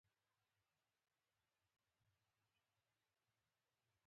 په مني کې مړاوي کېږي دا د طبیعت قانون دی.